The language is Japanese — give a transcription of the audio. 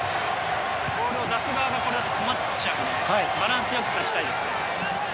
ボールの出す側がこれだと困っちゃうのでバランスよく立ちたいですね。